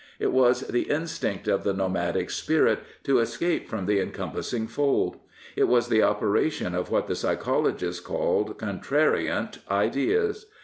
It was the instinct 242 The Rev. R. J. Campbell of the nomadic spirit to escape from the encompassing fold. It was the operation of what the psychologists call " contrarient ideas."